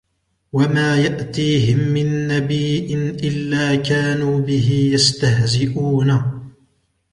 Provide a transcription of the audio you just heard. وما يأتيهم من نبي إلا كانوا به يستهزئون